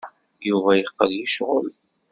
Yuba yeqqel yecɣel.